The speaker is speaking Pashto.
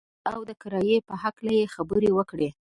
ملنګ ورغئ او د کرایې په هکله یې خبرې وکړې.